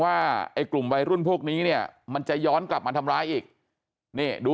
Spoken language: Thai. ว่าไอ้กลุ่มวัยรุ่นพวกนี้เนี่ยมันจะย้อนกลับมาทำร้ายอีกนี่ดู